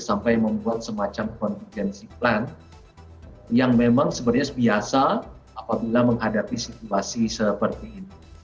sampai membuat semacam confidensi plan yang memang sebenarnya biasa apabila menghadapi situasi seperti ini